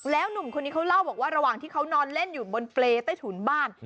หนุ่มคนนี้เขาเล่าบอกว่าระหว่างที่เขานอนเล่นอยู่บนเปรย์ใต้ถุนบ้าน